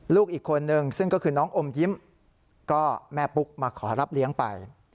ลูกอีกคนนึงซึ่งก็คือน้องอมยิ้มก็แม่ปุ๊กมาขอรับเลี้ยงไป